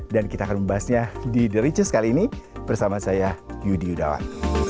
dan kita akan membahasnya di the richest kali ini bersama saya yudi yudawan